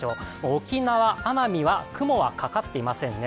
沖縄・奄美は雲はかかっていませんね。